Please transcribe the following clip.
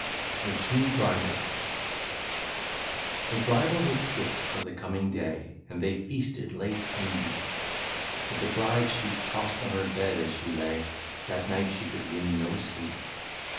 THE TWO BRIDALS. The bridal was fixed for the coming day, And they feasted late and deep ; But the bride she tossed on her bed as she lay, That night she could win no sleep.